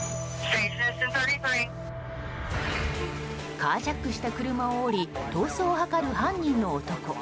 カージャックした車を降り逃走を図る犯人の男。